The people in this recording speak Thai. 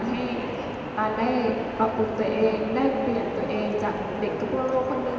ให้ตันได้ปรับปุ่นตั๋ยเองได้ประเบียนตั๋ยเองจากเน็ตกระโกะโรงคืนหนึ่ง